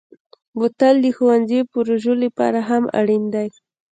بوتل د ښوونځي پروژو لپاره هم اړین دی.